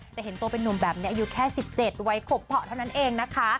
แต่เห็นตัวเป็นนุ่มแบบนี้อายุแค่๑๗วัยขบเพาะเท่านั้นเองนะคะ